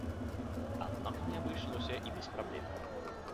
Аднак не абышлося і без праблем.